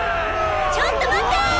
ちょっと待ったァ！